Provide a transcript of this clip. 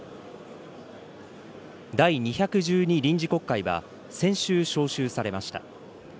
第２１２臨時国会は先週召集されました。